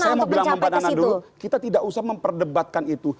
saya mau bilang sama mbak nana dulu kita tidak usah memperdebatkan itu